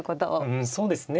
うんそうですね